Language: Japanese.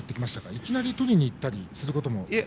いきなりとりにいったりすることも。